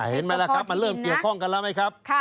เห็นไหมล่ะครับมันเริ่มเกี่ยวข้องกันแล้วไหมครับ